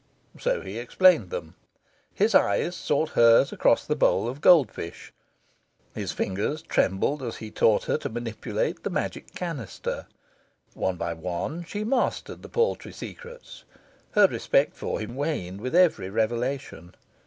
So he explained them. His eyes sought hers across the bowl of gold fish, his fingers trembled as he taught her to manipulate the magic canister. One by one, she mastered the paltry secrets. Her respect for him waned with every revelation.